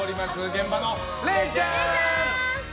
現場のれいちゃん！